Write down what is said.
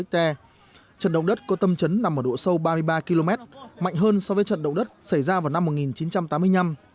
trận động đất có tâm trấn nằm ở độ sâu ba mươi ba km mạnh hơn so với trận động đất xảy ra vào năm một nghìn chín trăm tám mươi năm